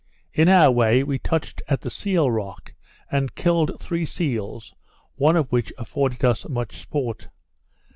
In our way, we touched at the seal rock, and killed three seals, one of which afforded us much sport.